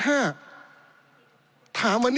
ปี๑เกณฑ์ทหารแสน๒